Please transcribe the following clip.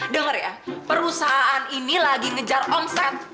dengar ya perusahaan ini lagi ngejar omset